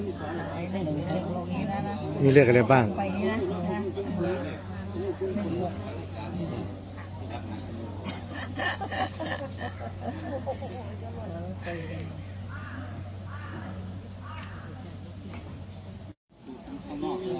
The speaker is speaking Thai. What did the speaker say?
กินต่อร้านกันแบบนี้ก็ได้